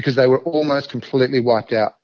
karena mereka hampir selesai dibunuh